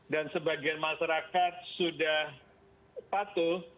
dan sebagian masyarakat sudah patuh